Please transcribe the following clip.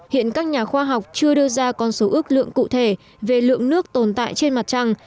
hiện các nhà khoa học chưa đưa ra con số ước lượng cụ thể về lượng nước tồn tại trên mặt trăng